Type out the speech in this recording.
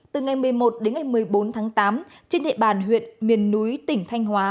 từ ngày một mươi một đến ngày một mươi bốn tháng tám trên địa bàn huyện miền núi tỉnh thanh hóa